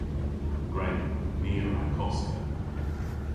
Gwren. Ni a wra koska.